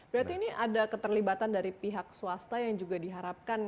berarti ini ada keterlibatan dari pihak swasta yang juga diharapkan